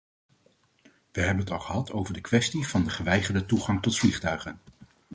We hebben het al gehad over de kwestie van de geweigerde toegang tot vliegtuigen.